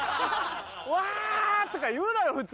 「うわ！」とか言うだろ普通。